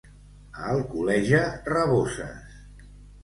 A Alcoleja, raboses.